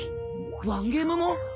ワンゲームも！？